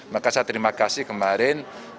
maka saya terima kasih kemarin